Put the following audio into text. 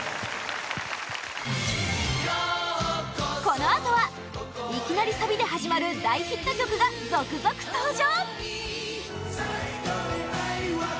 このあとはいきなりサビで始まる大ヒット曲が続々登場